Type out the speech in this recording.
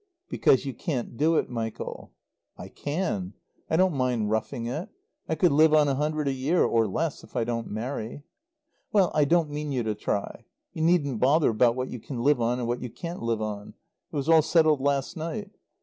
"Because you can't do it, Michael." "I can. I don't mind roughing it. I could live on a hundred a year or less, if I don't marry." "Well, I don't mean you to try. You needn't bother about what you can live on and what you can't live on. It was all settled last night.